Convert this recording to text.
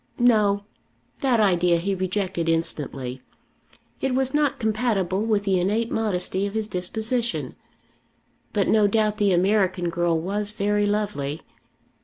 No; that idea he rejected instantly. It was not compatible with the innate modesty of his disposition. But no doubt the American girl was very lovely.